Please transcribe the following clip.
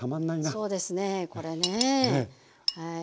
そうですねこれねえはい。